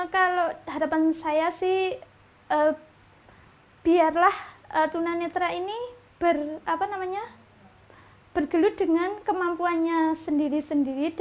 kalau harapan saya sih biarlah tunanetra ini bergelut dengan kemampuannya sendiri sendiri